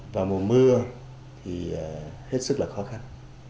và mùa mưa thì hết sức là khó khăn